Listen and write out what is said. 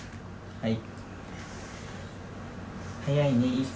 はい。